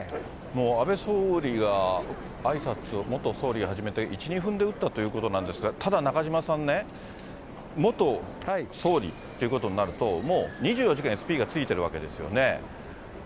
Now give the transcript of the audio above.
もう安倍総理が、あいさつを、元総理が始めて１、２分で撃ったということなんですが、ただ、中島さんね、元総理ということになると、もう２４時間、ＳＰがついているわけですよね。